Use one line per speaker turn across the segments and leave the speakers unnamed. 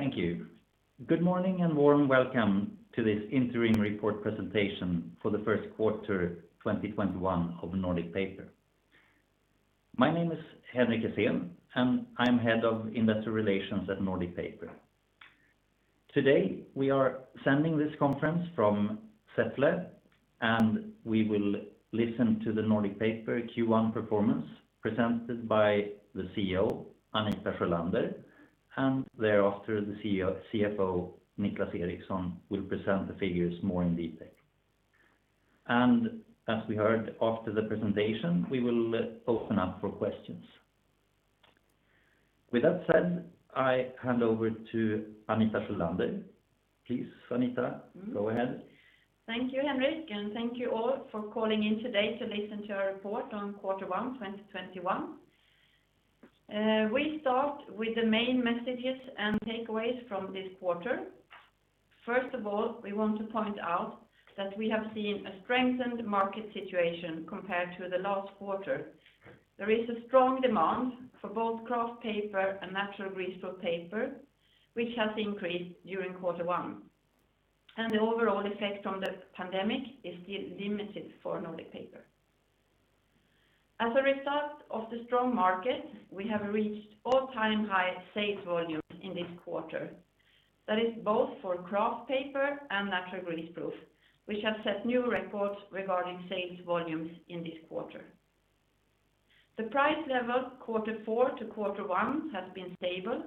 Thank you. Good morning and warm welcome to this interim report presentation for the first quarter 2021 of Nordic Paper. My name is Henrik Essén, and I'm Head of Investor Relations at Nordic Paper. Today, we are sending this conference from Säffle, and we will listen to the Nordic Paper Q1 performance presented by the CEO, Anita Sjölander, and thereafter the CFO, Niclas Eriksson, will present the figures more in detail. As we heard, after the presentation, we will open up for questions. With that said, I hand over to Anita Sjölander. Please, Anita, go ahead.
Thank you, Henrik, and thank you all for calling in today to listen to our report on Quarter one 2021. We start with the main messages and takeaways from this quarter. First of all, we want to point out that we have seen a strengthened market situation compared to the last quarter. There is a strong demand for both kraft paper and natural greaseproof paper, which has increased during Quarter one. The overall effect from the pandemic is still limited for Nordic Paper. As a result of the strong market, we have reached all-time high sales volumes in this quarter. That is both for kraft paper and natural greaseproof, which have set new records regarding sales volumes in this quarter. The price level Quarter four to Quarter one has been stable,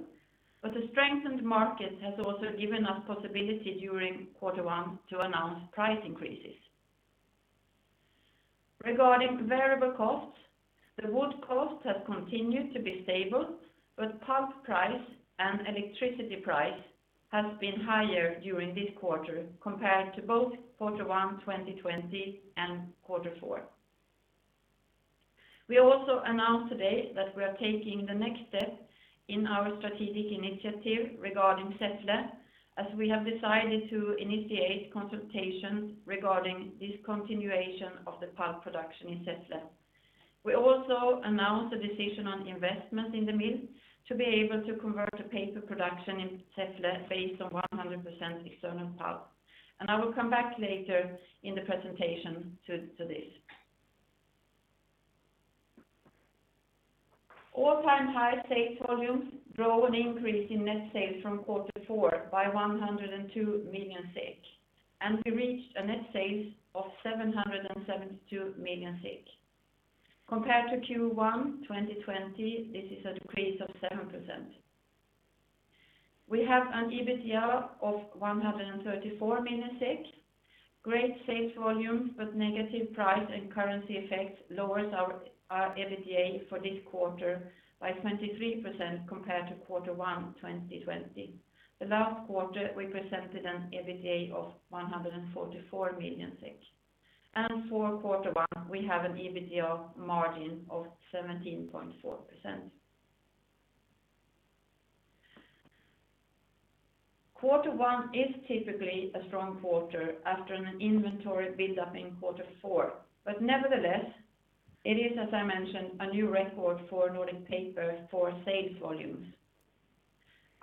but the strengthened market has also given us possibility during Quarter one to announce price increases. Regarding variable costs, the wood cost has continued to be stable, but pulp price and electricity price has been higher during this quarter compared to both Quarter one 2020 and Quarter four. We also announce today that we are taking the next step in our strategic initiative regarding Säffle, as we have decided to initiate consultations regarding discontinuation of the pulp production in Säffle. We also announce the decision on investment in the mill to be able to convert the paper production in Säffle based on 100% external pulp. I will come back later in the presentation to this. All-time high sales volumes drove an increase in net sales from Quarter four by 102 million, and we reached a net sales of 772 million. Compared to Q1 2020, this is a decrease of 7%. We have an EBITDA of 134 million SEK. Great sales volumes, negative price and currency effects lowers our EBITDA for this quarter by 23% compared to Quarter 1 2020. The last quarter, we presented an EBITDA of 144 million SEK. For Quarter one, we have an EBITDA margin of 17.4%. Quarter one is typically a strong quarter after an inventory build-up in Quarter four. Nevertheless, it is, as I mentioned, a new record for Nordic Paper for sales volumes.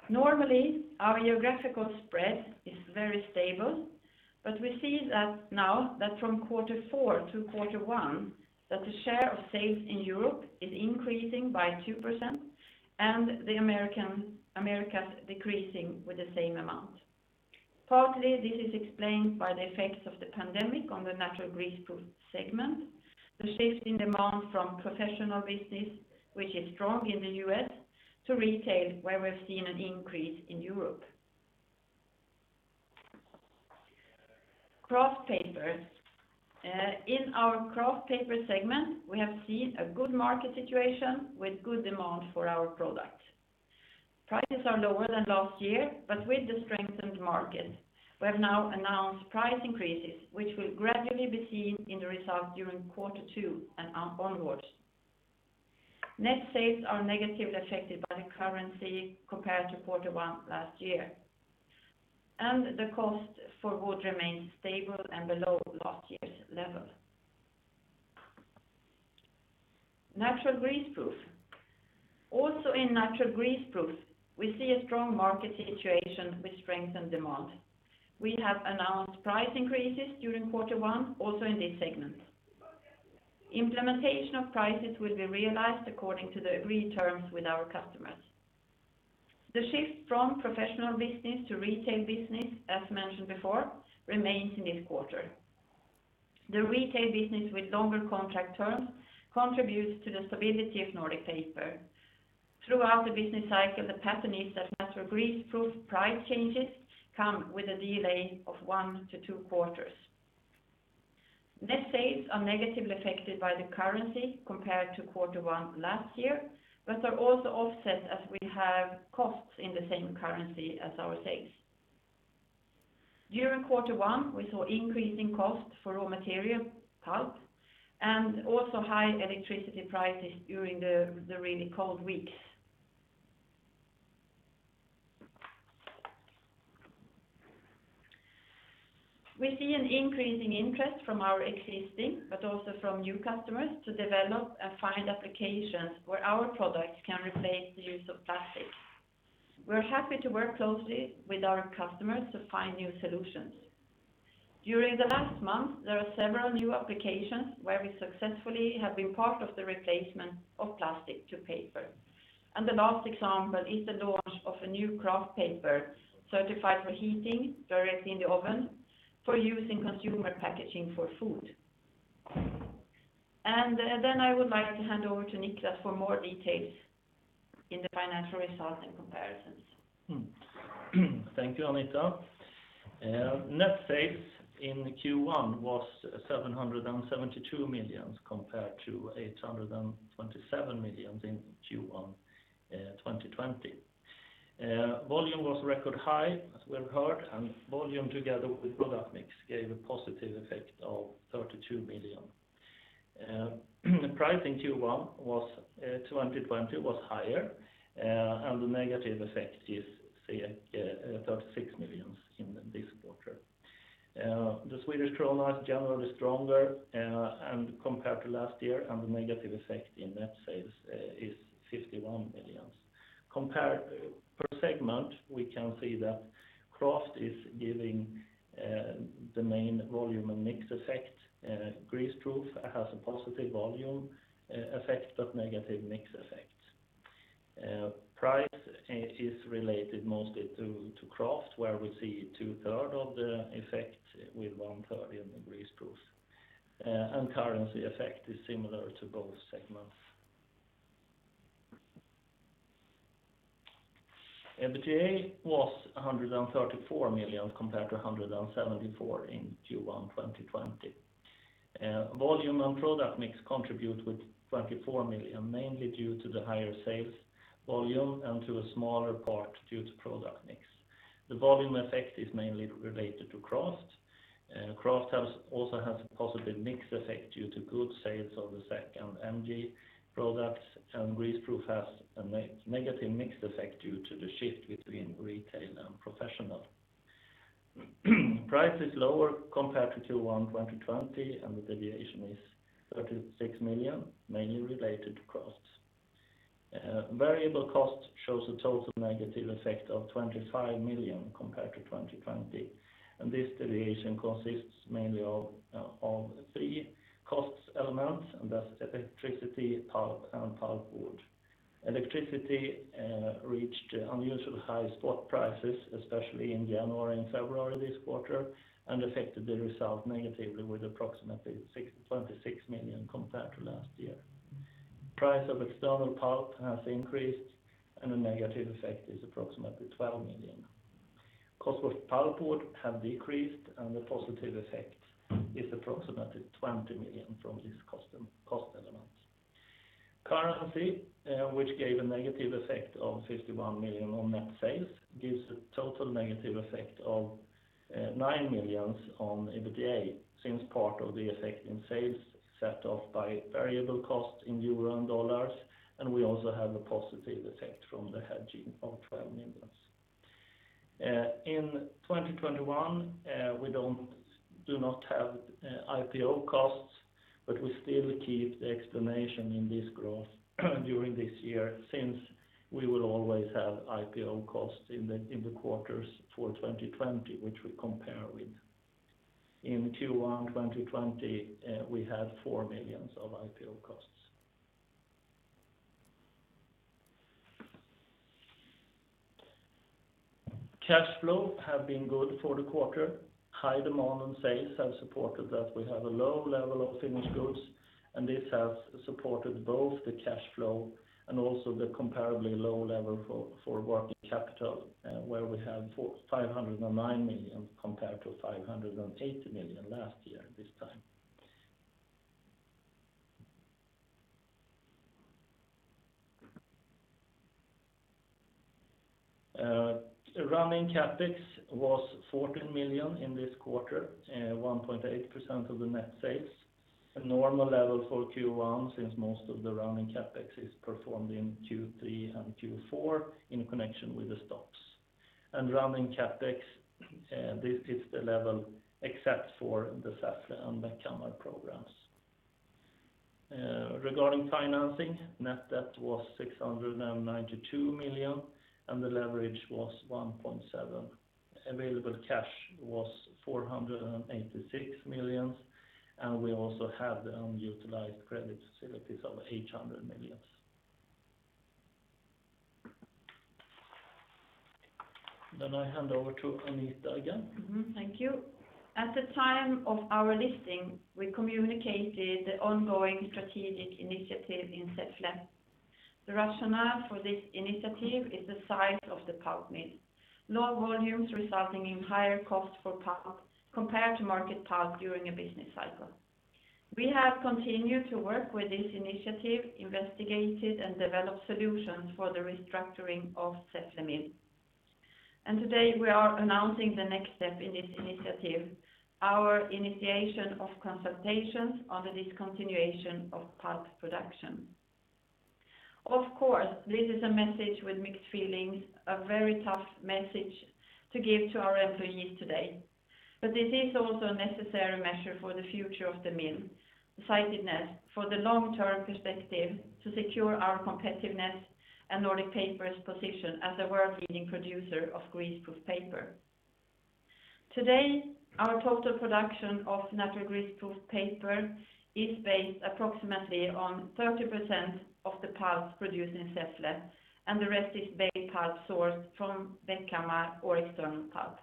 Normally, our geographical spread is very stable, but we see that now that from Quarter four to Quarter one, that the share of sales in Europe is increasing by 2% and the Americas decreasing with the same amount. Partly, this is explained by the effects of the pandemic on the natural greaseproof segment, the shift in demand from professional business, which is strong in the U.S., to retail, where we've seen an increase in Europe. Kraft paper. In our kraft paper segment, we have seen a good market situation with good demand for our product. Prices are lower than last year, but with the strengthened market, we have now announced price increases, which will gradually be seen in the result during Quarter two and onwards. Net sales are negatively affected by the currency compared to Quarter one last year. The cost for wood remains stable and below last year's level. Natural greaseproof. Also in natural greaseproof, we see a strong market situation with strengthened demand. We have announced price increases during Quarter one, also in this segment. Implementation of prices will be realized according to the agreed terms with our customers. The shift from professional business to retail business, as mentioned before, remains in this quarter. The retail business with longer contract terms contributes to the stability of Nordic Paper. Throughout the business cycle, the pattern is that natural greaseproof price changes come with a delay of one to two quarters. Net sales are negatively affected by the currency compared to Quarter 1 last year, but are also offset as we have costs in the same currency as our sales. During Quarter 1, we saw increasing cost for raw material, pulp, and also high electricity prices during the really cold weeks. We see an increasing interest from our existing, but also from new customers to develop and find applications where our products can replace the use of plastic. We're happy to work closely with our customers to find new solutions. During the last month, there are several new applications where we successfully have been part of the replacement of plastic to paper, and the last example is the launch of a new kraft paper certified for heating directly in the oven for use in consumer packaging for food. I would like to hand over to Niclas for more details in the financial results and comparisons.
Thank you, Anita. Net sales in Q1 was 772 million, compared to 827 million in Q1 2020. Volume was record high, as we've heard, and volume together with product mix gave a positive effect of 32 million. Price in Q1 2020 was higher, and the negative effect is 36 million in this quarter. The Swedish krona is generally stronger compared to last year, and the negative effect in net sales is 51 million. Per segment, we can see that kraft is giving the main volume and mix effect. Greaseproof has a positive volume effect but negative mix effect. Price is related mostly to kraft, where we see two third of the effect with one third in greaseproof. Currency effect is similar to both segments. EBITDA was 134 million compared to 174 million in Q1 2020. Volume and product mix contribute with 24 million, mainly due to the higher sales volume and to a smaller part due to product mix. The volume effect is mainly related to kraft. Kraft also has a positive mix effect due to good sales of the Sack and MG products, and greaseproof has a negative mix effect due to the shift between retail and professional. Price is lower compared to Q1 2020, and the deviation is 36 million, mainly related to costs. Variable cost shows a total negative effect of 25 million compared to 2020, and this deviation consists mainly of three cost elements, and that's electricity, pulp, and pulp board. Electricity reached unusually high spot prices, especially in January and February this quarter, and affected the result negatively with approximately 26 million compared to last year. Price of external pulp has increased, and the negative effect is approximately 12 million. Cost of pulp board have decreased, and the positive effect is approximately 20 million from this cost element. Currency, which gave a negative effect of 51 million on net sales, gives a total negative effect of 9 million on EBITDA, since part of the effect in sales set off by variable cost in EUR and USD, and we also have a positive effect from the hedging of 12 million. In 2021, we do not have IPO costs, but we still keep the explanation in this growth during this year, since we will always have IPO costs in the quarters for 2020, which we compare with. In Q1 2020, we had 4 million of IPO costs. Cash flow have been good for the quarter. High demand and sales have supported that we have a low level of finished goods. This has supported both the cash flow and also the comparably low level for working capital, where we have 509 million compared to 580 million last year at this time. Running CapEx was 14 million in this quarter, 1.8% of the net sales. A normal level for Q1, since most of the running CapEx is performed in Q3 and Q4 in connection with the stops. Running CapEx, this is the level except for the Säffle and Bäckhammar programs. Regarding financing, net debt was 692 million. The leverage was 1.7. Available cash was 486 million, and we also have the unutilized credit facilities of SEK 800 million. I hand over to Anita again.
Thank you. At the time of our listing, we communicated the ongoing strategic initiative in Säffle. The rationale for this initiative is the size of the pulp mill. Low volumes resulting in higher cost for pulp compared to market pulp during a business cycle. We have continued to work with this initiative, investigated and developed solutions for the restructuring of Säffle mill. Today we are announcing the next step in this initiative, our initiation of consultations on the discontinuation of pulp production. Of course, this is a message with mixed feelings, a very tough message to give to our employees today. It is also a necessary measure for the future of the mill, sightedness for the long-term perspective to secure our competitiveness and Nordic Paper's position as a world-leading producer of greaseproof paper. Today, our total production of natural greaseproof paper is based approximately on 30% of the pulp produced in Säffle, and the rest is beet pulp sourced from Bäckhammar or external pulp.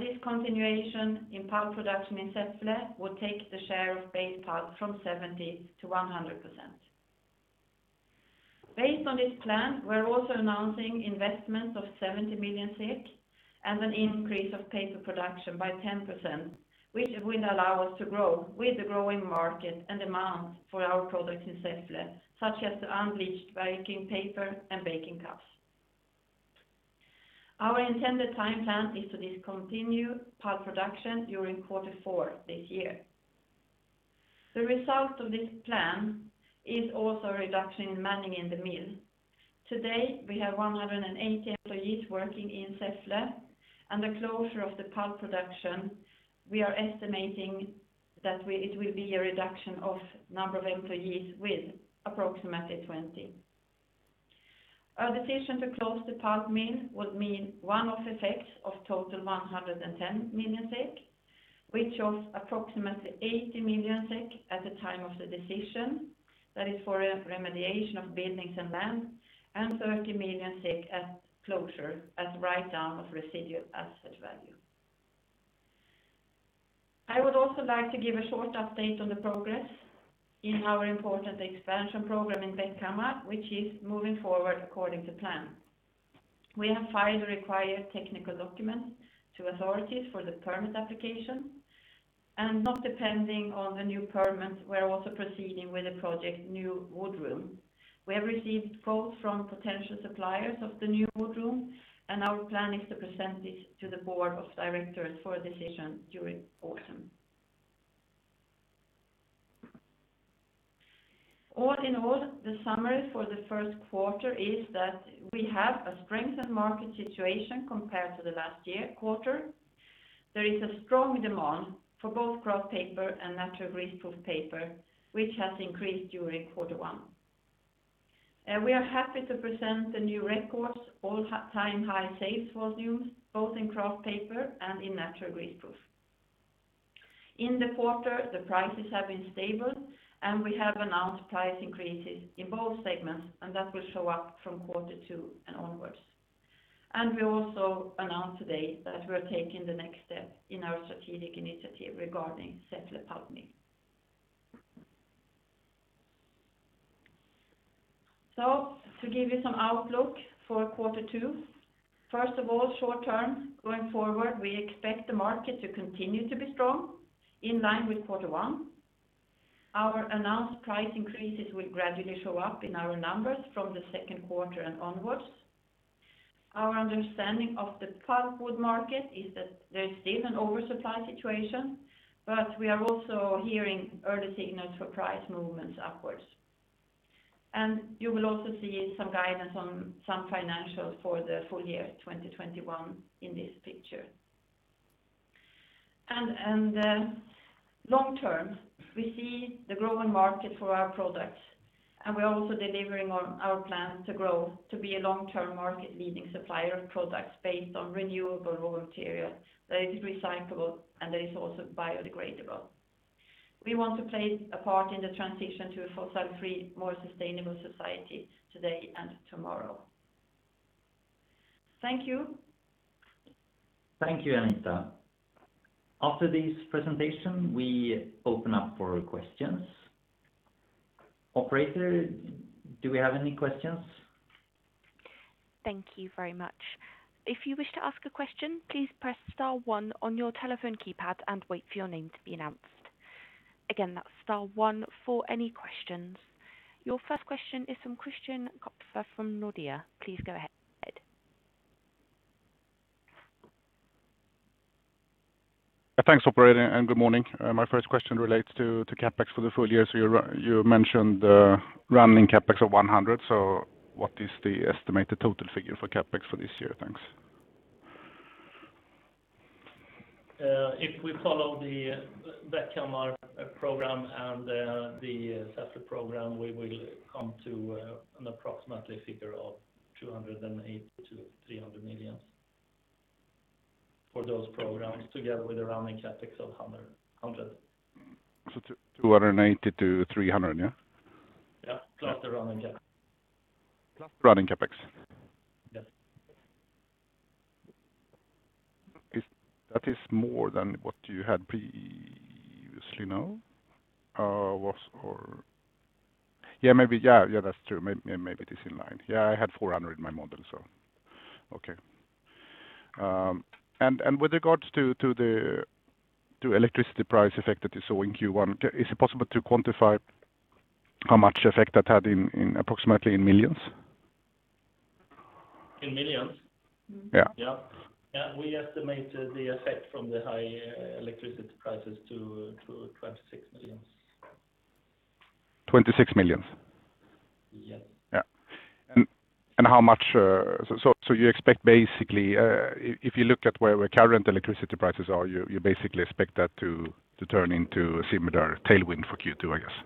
Discontinuation in pulp production in Säffle will take the share of beet pulp from 70% -100%. Based on this plan, we're also announcing investments of 70 million and an increase of paper production by 10%, which will allow us to grow with the growing market and demand for our products in Säffle, such as the unbleached Viking paper and baking cups. Our intended time plan is to discontinue pulp production during quarter four this year. The result of this plan is also a reduction in manning in the mill. Today, we have 180 employees working in Säffle, the closure of the pulp production, we are estimating that it will be a reduction of number of employees with approximately 20. Our decision to close the pulp mill would mean one-off effects of total 110 million SEK, which of approximately 80 million SEK at the time of the decision. That is for remediation of buildings and land, 30 million SEK at closure as write-down of residual asset value. I would also like to give a short update on the progress in our important expansion program in Bäckhammar, which is moving forward according to plan. We have filed the required technical documents to authorities for the permit application, not depending on the new permit, we're also proceeding with a project, new wood room. We have received quotes from potential suppliers of the new wood room. Our plan is to present this to the board of directors for a decision during autumn. All in all, the summary for the first quarter is that we have a strengthened market situation compared to the last year quarter. There is a strong demand for both kraft paper and natural greaseproof paper, which has increased during quarter one. We are happy to present the new records all-time high sales volumes, both in kraft paper and in natural greaseproof. In the quarter, the prices have been stable. We have announced price increases in both segments, and that will show up from Quarter two and onwards. We also announced today that we're taking the next step in our strategic initiative regarding Säffle pulp mill. To give you some outlook for quarter two, first of all, short term going forward, we expect the market to continue to be strong in line with quarter one. Our announced price increases will gradually show up in our numbers from the second quarter and onwards. Our understanding of the pulpwood market is that there's still an oversupply situation, but we are also hearing early signals for price movements upwards. You will also see some guidance on some financials for the full year 2021 in this picture. Long term, we see the growing market for our products, and we're also delivering on our plan to grow to be a long-term market-leading supplier of products based on renewable raw material that is recyclable and that is also biodegradable. We want to play a part in the transition to a fossil-free, more sustainable society today and tomorrow. Thank you.
Thank you, Anita. After this presentation, we open up for questions. Operator, do we have any questions?
Thank you very much. If you wish to ask a question, please press star one on your telephone keypad and wait for your name to be announced. Again, that's star one for any questions. Your first question is from Christian Kopfer from Nordea. Please go ahead.
Thanks, operator, and good morning. My first question relates to CapEx for the full year. You mentioned the running CapEx of 100. What is the estimated total figure for CapEx for this year? Thanks.
If we follow the Bäckhammar program and the Säffle program, we will come to an approximately figure of 280 million-300 million for those programs together with the running CapEx of 100.
280-300, yeah?
Yeah. Plus the running CapEx.
Plus the running CapEx?
Yes.
That is more than what you had previously now? Yeah, that's true. Maybe it is in line. Yeah, I had 400 in my model, so okay. With regards to electricity price effect that you saw in Q1, is it possible to quantify how much effect that had approximately in millions?
In millions?
Yeah.
Yeah. We estimate the effect from the high electricity prices to 26 million.
26 million?
Yes.
Yeah. You expect basically, if you look at where current electricity prices are, you basically expect that to turn into a similar tailwind for Q2, I guess?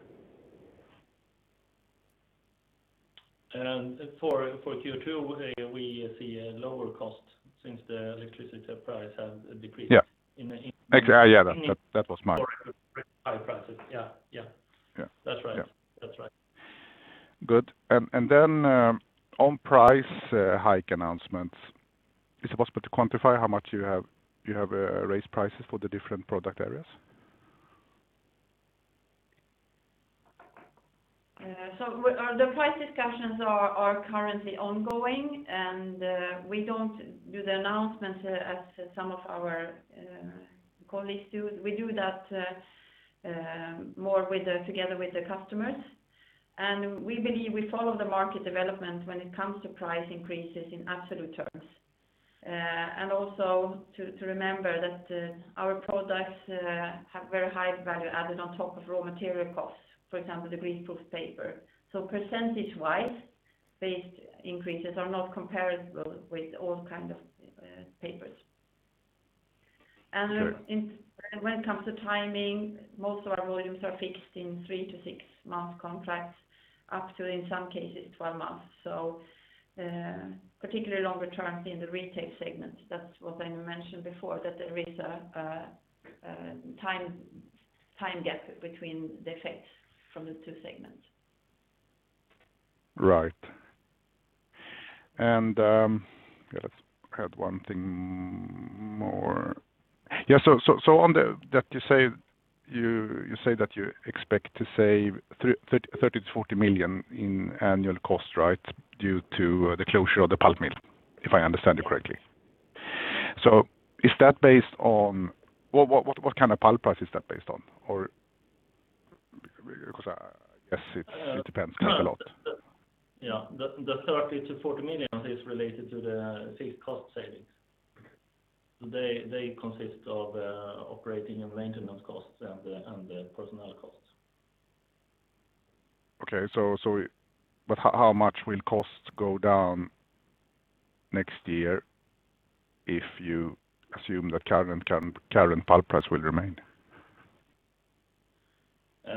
For Q2, we see a lower cost since the electricity price has decreased.
Yeah. That was March.
High prices. Yeah.
Yeah.
That's right.
Good. On price hike announcements, is it possible to quantify how much you have raised prices for the different product areas?
The price discussions are currently ongoing, and we don't do the announcements as some of our colleagues do. We do that more together with the customers. We follow the market development when it comes to price increases in absolute terms. Also to remember that our products have very high value added on top of raw material costs, for example, the greaseproof paper. % wise, based increases are not comparable with all kinds of papers.
Sure.
When it comes to timing, most of our volumes are fixed in three to six-month contracts, up to, in some cases, 12 months. Particularly longer terms in the Retail segment. That's what I mentioned before, that there is a time gap between the effects from the two segments.
Right. Yeah, let's add one thing more. You say that you expect to save 30 million-40 million in annual cost, right, due to the closure of the pulp mill, if I understand you correctly. What kind of pulp price is that based on, because I guess it depends a lot?
Yeah. The 30 million-40 million is related to the fixed cost savings. They consist of operating and maintenance costs and the personnel costs.
Okay. How much will costs go down next year if you assume that current pulp price will remain?
As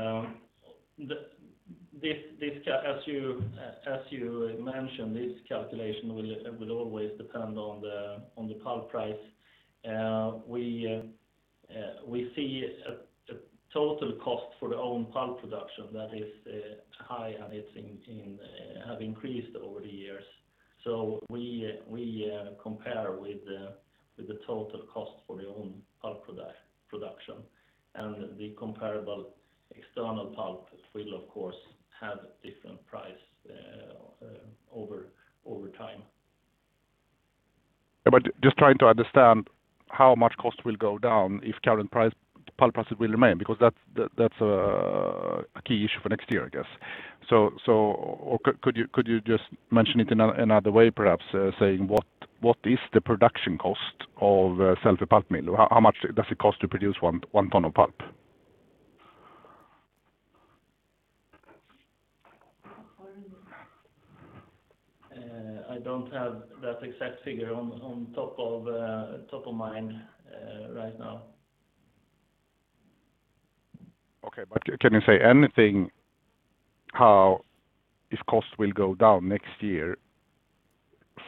you mentioned, this calculation will always depend on the pulp price. We see a total cost for the own pulp production that is high and have increased over the years. We compare with the total cost for the own pulp production, and the comparable external pulp will, of course, have different price over time.
Just trying to understand how much cost will go down if current pulp prices will remain, because that's a key issue for next year, I guess. Could you just mention it in another way, perhaps saying what is the production cost of Säffle pulp mill? How much does it cost to produce 1 ton of pulp?
I don't have that exact figure on top of mind right now.
Okay. Can you say anything how if cost will go down next year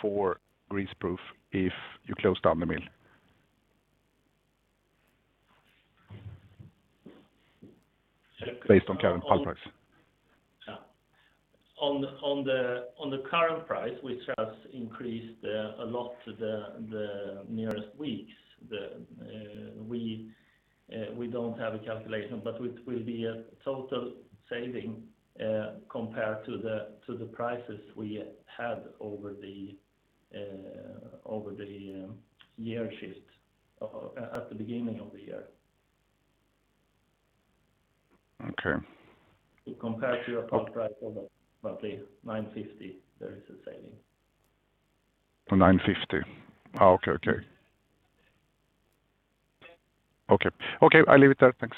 for greaseproof if you close down the mill? Based on current pulp price.
On the current price, which has increased a lot the nearest weeks, we don't have a calculation, but it will be a total saving compared to the prices we had over the year shift at the beginning of the year.
Okay.
Compared to a pulp price of about 950, there is a saving.
To 950. Okay. Okay, I leave it there, thanks.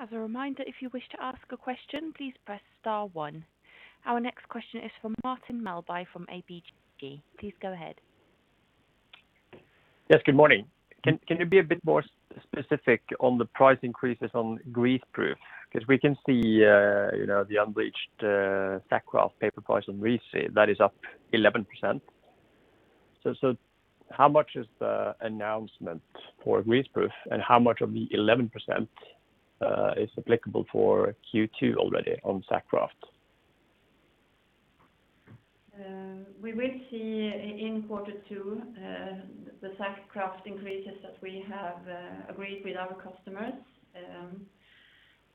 As a reminder, if you wish to ask a question, please press star one. Our next question is from Martin Melbye, from ABG. Please go ahead.
Yes, good morning. Can you be a bit more specific on the price increases on greaseproof? We can see the unbleached sack kraft paper price on RISI, that is up 11%. How much is the announcement for greaseproof, and how much of the 11% is applicable for Q2 already on sack kraft?
We will see in quarter two the sack kraft increases that we have agreed with our customers.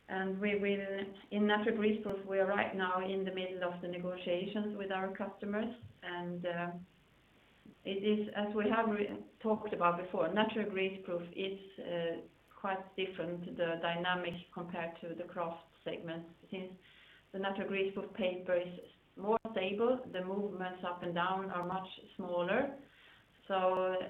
In Greaseproof, we are right now in the middle of the negotiations with our customers. It is, as we have talked about before, Natural Greaseproof is quite different, the dynamics compared to the kraft segment, since the Natural Greaseproof paper is more stable, the movements up and down are much smaller. Like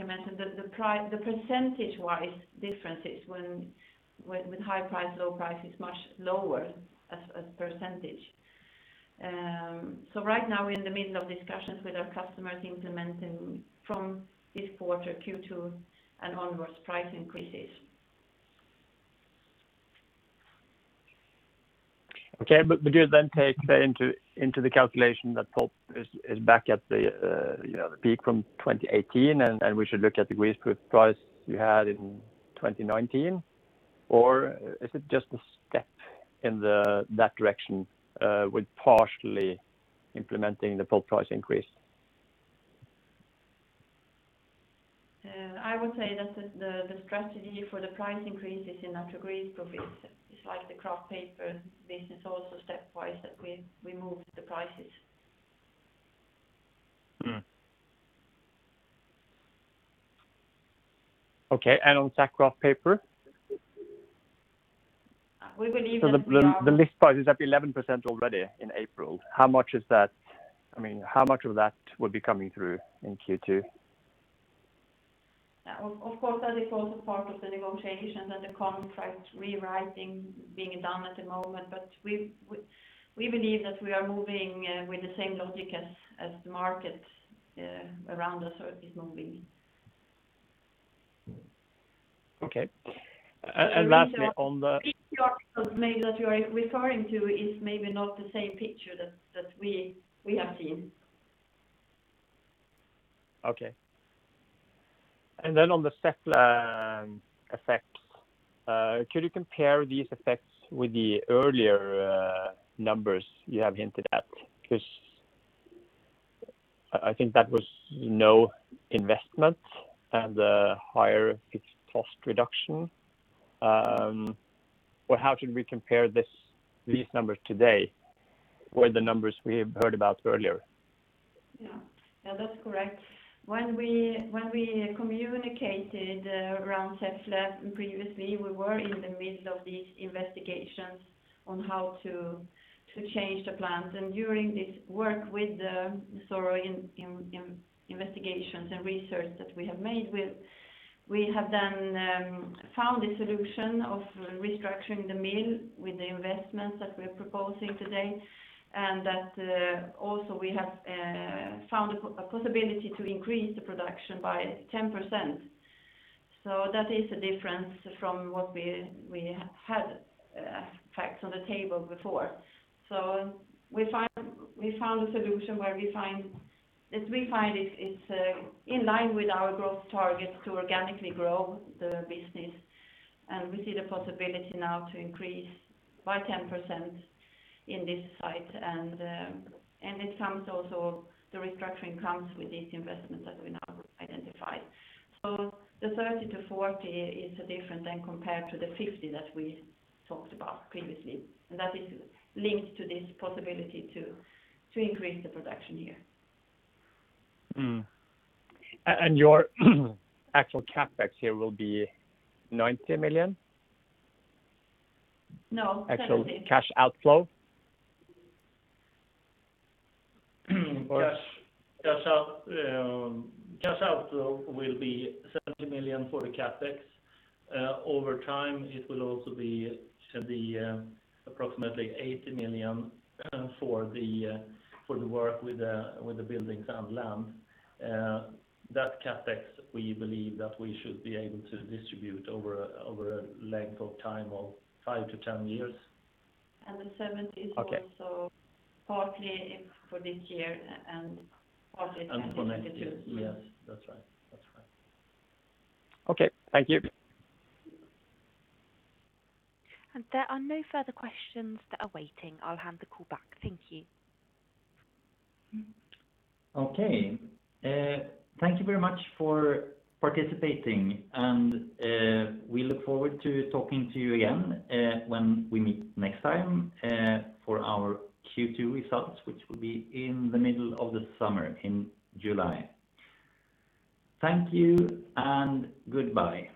I mentioned, the percentage-wise differences with high price, low price is much lower as %. Right now we're in the middle of discussions with our customers implementing from this quarter, Q2, and onwards price increases.
Okay, do you then take that into the calculation that pulp is back at the peak from 2018, and we should look at the Greaseproof price you had in 2019? Is it just a step in that direction, with partially implementing the pulp price increase?
I would say that the strategy for the price increases in natural greaseproof is like the kraft paper business, also stepwise that we move the prices.
Okay, on the kraft paper?
We believe that we are.
The list price is up 11% already in April. How much of that will be coming through in Q2?
Of course, that is also part of the negotiations and the contract rewriting being done at the moment. We believe that we are moving with the same logic as the market around us is moving.
Okay.
The article that you are referring to is maybe not the same picture that we have seen.
Okay. On the Säffle effects, could you compare these effects with the earlier numbers you have hinted at? I think that was no investment and a higher fixed cost reduction. How should we compare these numbers today with the numbers we have heard about earlier?
That's correct. When we communicated around Säffle previously, we were in the middle of these investigations on how to change the plant. During this work with the thorough investigations and research that we have made, we have then found a solution of restructuring the mill with the investments that we're proposing today, and that also we have found a possibility to increase the production by 10%. That is a difference from what we had as facts on the table before. We found a solution that we find is in line with our growth target to organically grow the business, and we see the possibility now to increase by 10% in this site. The restructuring comes with these investments that we now identified. The 30-40 is different than compared to the 50 that we talked about previously. That is linked to this possibility to increase the production here.
Your actual CapEx here will be 90 million?
No, 70.
Actual cash outflow?
Cash outflow will be 70 million for the CapEx. Over time, it will also be approximately 80 million for the work with the buildings and land. That CapEx, we believe that we should be able to distribute over a length of time of 5-10 years.
The SEK 70 is also partly for this year and partly connected.
Connected. Yes, that's right.
Okay. Thank you.
There are no further questions that are waiting. I will hand the call back. Thank you.
Okay. Thank you very much for participating, and we look forward to talking to you again when we meet next time for our Q2 results, which will be in the middle of the summer in July. Thank you and goodbye.